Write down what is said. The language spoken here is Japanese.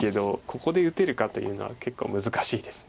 ここで打てるかというのは結構難しいです。